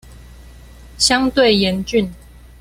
相對嚴峻